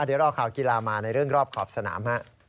เดี๋ยวรอข่าวกีฬามาในเรื่องรอบขอบสนาม